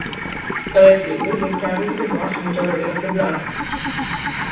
Collectively, they carry the vast majority of the blood.